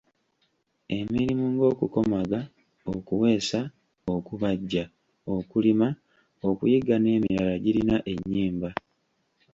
Emirimu ng’okukomaga, okuweesa, okubajja, okulima, okuyigga n’emirala girina ennyimba.